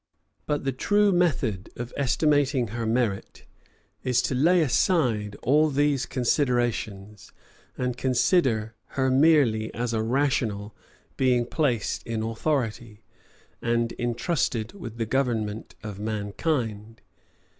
But the true method of estimating her merit, is to lay aside all these considerations, and consider her merely as a rational being placed in authority, and intrusted with the government of mankind.